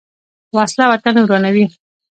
وسله وطن ورانوي